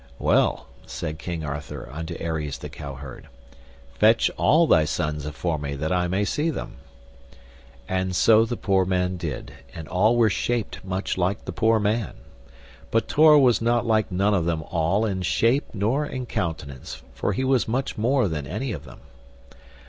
Well, said King Arthur unto Aries the cowherd, fetch all thy sons afore me that I may see them. And so the poor man did, and all were shaped much like the poor man. But Tor was not like none of them all in shape nor in countenance, for he was much more than any of them.